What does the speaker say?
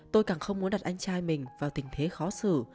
tôi càng không muốn đặt anh trai mình vào tình thế khó xử